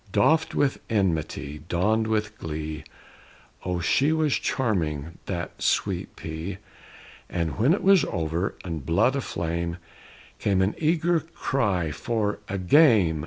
Doffed with enmity, donned with glee, Oh, she was charming, that Sweet P! And when it was over, and blood aflame, Came an eager cry for "A game!"